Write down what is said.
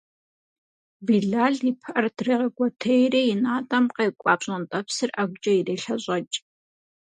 Билал и пыӏэр дрегъэкӏуэтейри и натӏэм къекӏуа пщӏантӏэпсыр ӏэгукӏэ ирелъэщӏэкӏ.